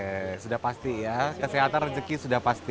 oke sudah pasti ya kesehatan rezeki sudah pasti